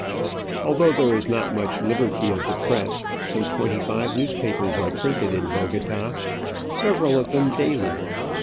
Although there is not much liberty of the press, some twenty five newspapers are printed in Bogota, several of them daily.